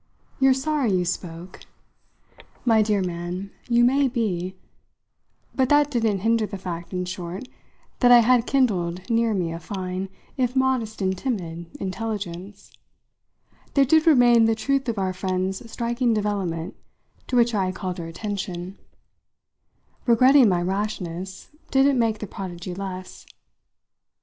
You're sorry you spoke. My dear man, you may be " but that didn't hinder the fact, in short, that I had kindled near me a fine, if modest and timid, intelligence. There did remain the truth of our friend's striking development, to which I had called her attention. Regretting my rashness didn't make the prodigy less.